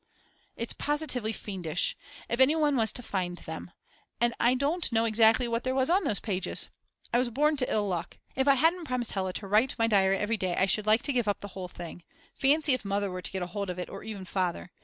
It's positively fiendish. If anyone was to find them. And I don't know exactly what there was on those pages. I was born to ill luck. If I hadn't promised Hella to write my diary every day I should like to give up the whole thing. Fancy if Mother were to get hold of it, or even Father.